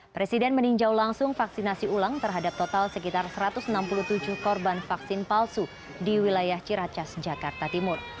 presiden meninjau langsung vaksinasi ulang terhadap total sekitar satu ratus enam puluh tujuh korban vaksin palsu di wilayah ciracas jakarta timur